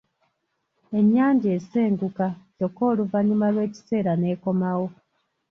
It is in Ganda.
Ennyanja esenguka kyokka oluvannyuma lw’ekiseera n’ekomawo.